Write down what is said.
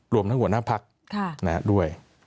รวมทั้งหัวหน้าพักด้วย